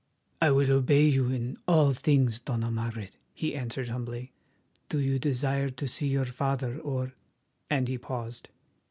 "I will obey you in all things, Dona Margaret," he answered humbly. "Do you desire to see your father or—" and he paused.